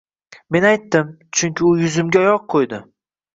Men aytdim, chunki u yuzimga oyoq qoʻydi.